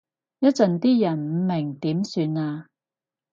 一陣啲人唔明點算啊？